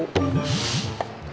pergi ke sana